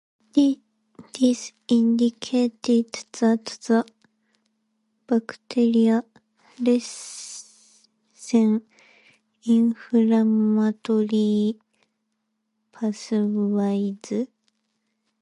This indicated that the bacteria lessen inflammatory pathways.